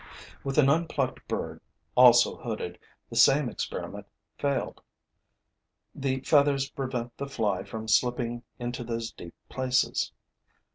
With an unplucked bird, also hooded, the same experiment failed: the feathers prevent the fly from slipping into those deep places.